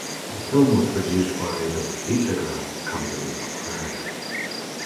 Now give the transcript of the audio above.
The film was produced by the Vitagraph Company of America.